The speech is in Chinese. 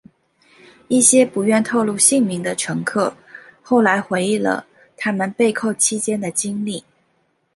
一些不愿透露姓名的乘客后来回忆了他们被扣期间的经历。